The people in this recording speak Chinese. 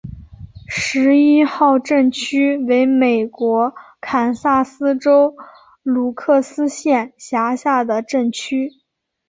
十一号镇区为美国堪萨斯州鲁克斯县辖下的镇区。